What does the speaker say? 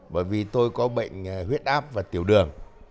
bởi vì tôi có bệnh huyết áp và tiểu đường